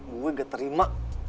gue nggak terima